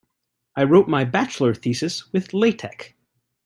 I wrote my bachelor thesis with latex.